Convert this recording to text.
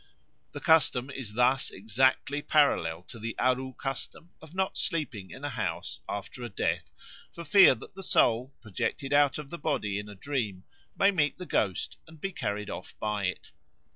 The custom is thus exactly parallel to the Aru custom of not sleeping in a house after a death for fear that the soul, projected out of the body in a dream, may meet the ghost and be carried off by it.